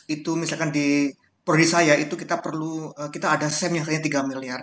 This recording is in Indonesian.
itu misalkan di prodi saya itu kita perlu kita ada sem yang kayaknya tiga miliar